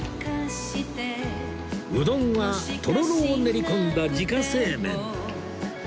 うどんはとろろを練り込んだ自家製麺